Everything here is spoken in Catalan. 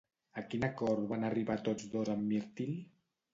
A quin acord van arribar tots dos amb Mirtil?